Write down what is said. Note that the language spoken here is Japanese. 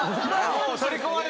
取り込まれた！